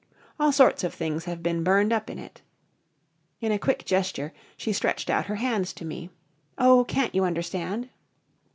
All sorts of things have been burned up in it." In a quick gesture she stretched out her hands to me. "Oh, can't you understand?"